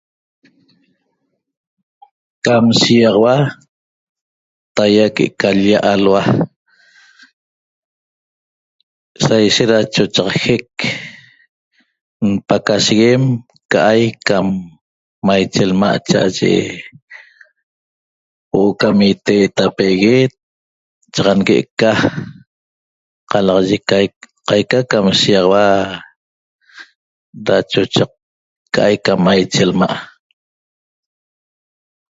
Cam shigaxaua taia que'eca l-lla alhua saishet ra chochaq jec mpacasheguem ca'ai cam maiche lma' cha'aye huo'o cam itetapeguet chaxan negue' ca, qalaxaye qaica ca shigaxaua ra chochac ca'ai ca maiche lma'